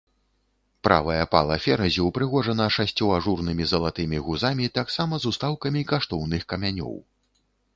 Правая пала феразі ўпрыгожана шасцю ажурнымі залатымі гузамі таксама з устаўкамі каштоўных камянёў.